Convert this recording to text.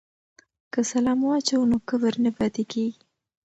که سلام واچوو نو کبر نه پاتې کیږي.